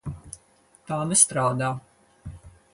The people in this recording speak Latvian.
Tā nestrādā.